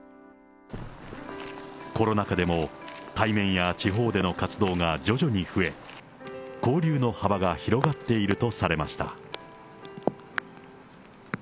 コロナ禍でも対面や地方での活動が徐々に増え、交流の幅が広がっているとされました。